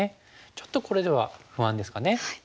ちょっとこれでは不安ですかね。